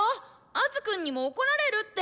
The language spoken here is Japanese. アズくんにも怒られるって！